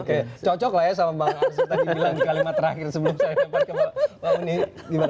kacau coklah ya sama bang arsul tadi bilang di kalimat terakhir sebelum saya nampak ke pak munir